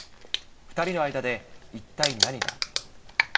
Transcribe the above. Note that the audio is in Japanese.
２人の間で一体何が。